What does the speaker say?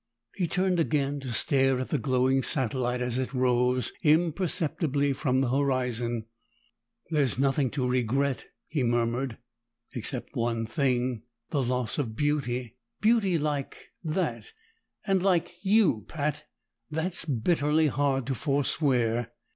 He turned again to stare at the glowing satellite as it rose imperceptibly from the horizon. "There's nothing to regret," he murmured, "except one thing the loss of beauty. Beauty like that and like you, Pat. That's bitterly hard to foreswear!"